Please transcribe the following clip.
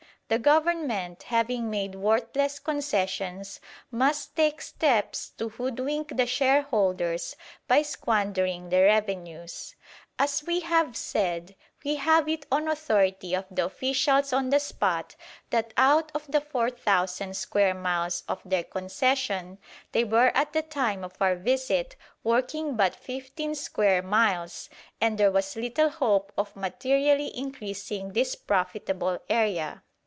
The Government, having made worthless concessions, must take steps to hoodwink the shareholders by squandering the revenues. As we have said, we have it on the authority of the officials on the spot that out of the 4,000 square miles of their concession, they were at the time of our visit working but 15 square miles, and there was little hope of materially increasing this profitable area.